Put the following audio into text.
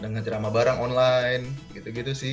dan ngejrama bareng online gitu gitu sih